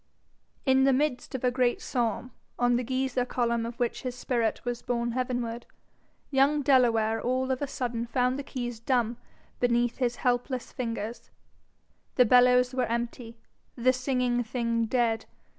In the midst of a great psalm, on the geyser column of which his spirit was borne heavenward, young Delaware all of a sudden found the keys dumb beneath his helpless fingers: the bellows was empty, the singing thing dead.